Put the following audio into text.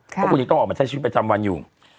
เพราะคุณยังต้องออกมาใช้ชีวิตประจำวันอยู่